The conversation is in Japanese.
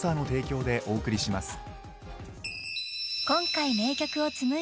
［今回］